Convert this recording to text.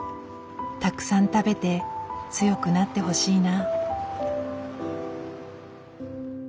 たくさん食べて強くなってほしいな。